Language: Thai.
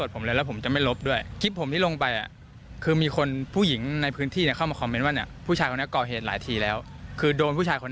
ผมคงตอแบบไม่ถูกแล้วก็